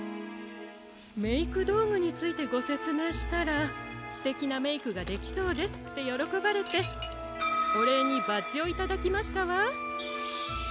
メイクどうぐについてごせつめいしたら「すてきなメイクができそうです」ってよろこばれておれいにバッジをいただきましたわ。